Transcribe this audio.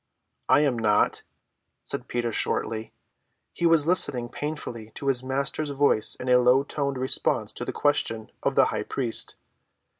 "I am not," said Peter shortly. He was listening painfully to his Master's voice in low‐toned response to a question of the high priest.